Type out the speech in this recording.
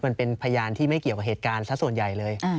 มันเป็นพยานที่ไม่เกี่ยวกับเหตุการณ์สักส่วนใหญ่เลย